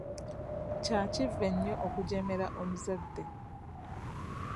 Kya kivve nnyo okujeemera omuzadde.